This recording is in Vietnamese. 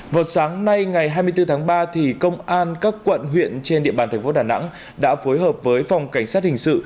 vào sáng nay ngày hai mươi bốn tháng ba công an các quận huyện trên địa bàn thành phố đà nẵng đã phối hợp với phòng cảnh sát hình sự